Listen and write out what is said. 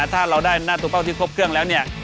ถ้าเราได้หน้าตัวเป้าที่ครบเครื่องแล้วเนี่ย